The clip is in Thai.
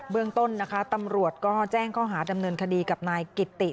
เรื่องต้นนะคะตำรวจก็แจ้งข้อหาดำเนินคดีกับนายกิตติ